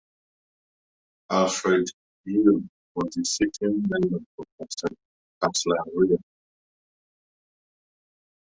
Alfred Yeo (Country) was the sitting member for Castlereagh.